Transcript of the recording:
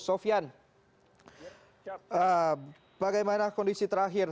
sofian bagaimana kondisi terakhir